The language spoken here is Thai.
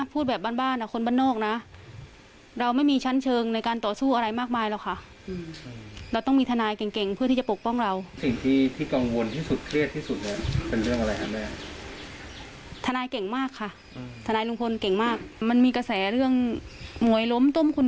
ฟังเสียงแม่ค่ะ